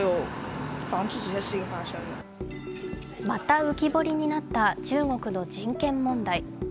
また浮き彫りになった中国の人権問題。